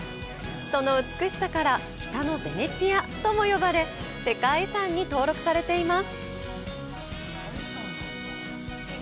その美しさから「北のヴェネツィア」とも呼ばれ世界遺産に登録されています。